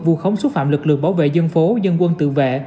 vu khống xúc phạm lực lượng bảo vệ dân phố dân quân tự vệ